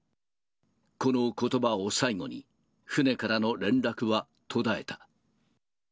このことばを最後に、船からの連絡は途絶えた。